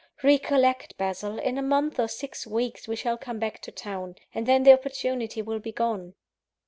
Recollect, Basil, in a month or six weeks we shall come back to town; and then the opportunity will be gone."